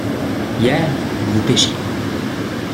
Hier vous pêchiez.